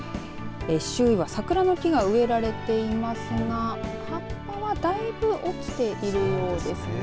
周囲は桜の木が植えられていますが葉っぱはだいぶ落ちているようですね。